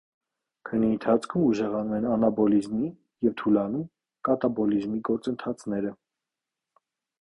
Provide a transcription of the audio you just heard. Քնի ընթացքում ուժեղանում են անաբոլիզմի և թուլանում կատաբոլիզմի գործընթացները։